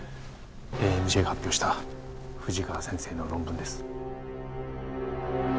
『ＡＭＪ』が発表した富士川先生の論文です。